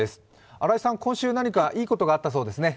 今週何かいいことがあったそうですね。